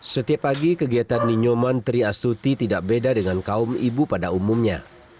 setiap pagi kegiatan ninyoman triastuti tidak beda dengan kaum ibu pada umumnya